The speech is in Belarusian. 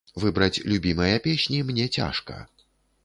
Выбраць любімыя песні мне цяжка.